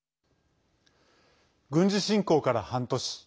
軍事侵攻から半年。